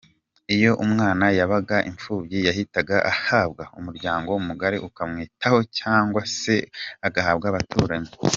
Iyo umwana yabaga impfubyi yahitaga ahabwa umuryango mugari ukamwitaho cyangwa se agahabwa abaturanyi.